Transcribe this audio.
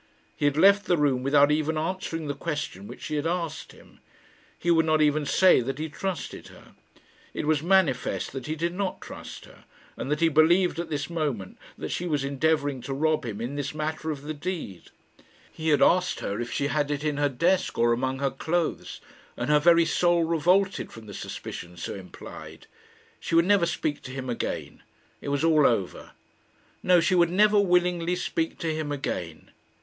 He had left the room without even answering the question which she had asked him. He would not even say that he trusted her. It was manifest that he did not trust her, and that he believed at this moment that she was endeavouring to rob him in this matter of the deed. He had asked her if she had it in her desk or among her clothes, and her very soul revolted from the suspicion so implied. She would never speak to him again. It was all over. No; she would never willingly speak to him again.